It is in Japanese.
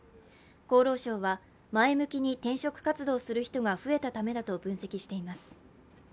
厚労省は前向きに転職活動をする人が増えたためだと分析しています。